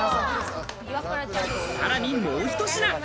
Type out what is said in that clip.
さらにもう１品。